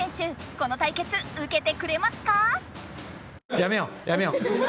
この対決うけてくれますか？